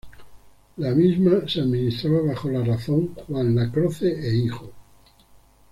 La misma se administraba bajo la razón "Juan Lacroze e Hijo".